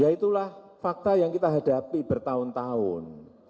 ya itulah fakta yang kita hadapi bertahun tahun